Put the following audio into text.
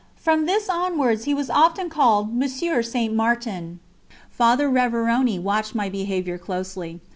From this onwards he was often called "Monsieur Saint Martin." Father Révérony watched my behaviour closely.